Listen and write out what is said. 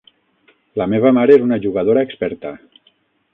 La meva mare és una jugadora experta.